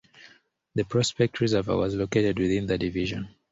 The Prospect Reservoir was located within the Division.